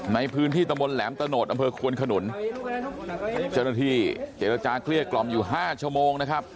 ในพื้นที่ตะมนต์แหลมตะโหนดอำเภอควนขนุนจรฐีเจรจาเครียดกล่อมอยู่๕ชั่วโมงนะครับ